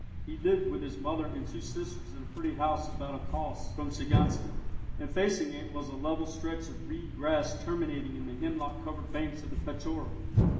He lived with his mother and two sisters in a pretty house about a kös from Shiganska, and facing it was a level stretch of reed grass terminating in the hemlock covered banks of the Petchora.